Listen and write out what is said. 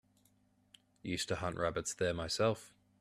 Used to hunt rabbits there myself.